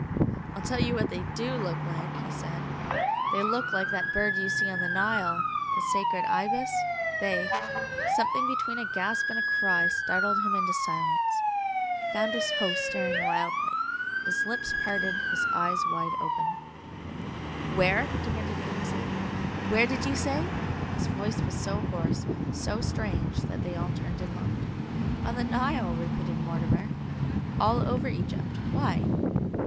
"I'll tell you what they DO look like," he said. "They look like that bird you see on the Nile, the sacred Ibis, they " Something between a gasp and a cry startled him into silence. He found his host staring wildly, his lips parted, his eyes open wide. "Where?" demanded Ainsley. "Where did you say?" His voice was so hoarse, so strange, that they all turned and looked. "On the Nile," repeated Mortimer. "All over Egypt. Why?"